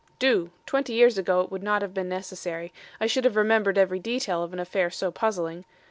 "Do. Twenty years ago it would not have been necessary. I should have remembered every detail of an affair so puzzling.